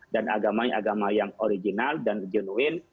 dan agamanya agama yang original dan genuine